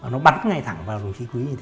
nó bắn ngay thẳng